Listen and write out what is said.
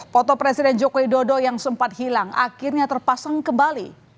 foto presiden joko widodo yang sempat hilang akhirnya terpasang kembali